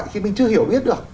khi mình chưa hiểu biết được